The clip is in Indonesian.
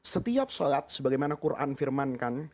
setiap sholat sebagaimana quran firmankan